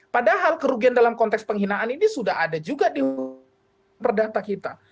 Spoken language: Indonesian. padahal kerugian dalam konteks penghinaan ini sudah ada juga di perdata kita